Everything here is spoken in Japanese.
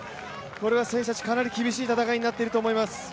これは選手たち、かなり厳しい戦いになっていると思います。